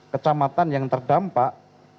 kecamatan yang terdampak